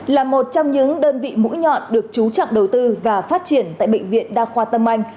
là một trong những đơn vị mũi nhọn được trú trọng đầu tư và phát triển tại bệnh viện đa khoa tâm anh